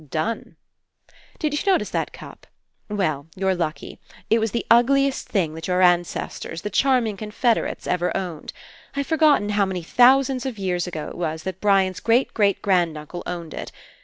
''Done!" *'Did you notice that cup? Well, you're lucky. It was the ugliest thing that your an cestors, the charming Confederates ever owned. I've forgotten how many thousands of years ago It was that Brian's great great grand uncle owned it.